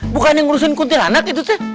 bukan yang urusin kuntilanak itu sih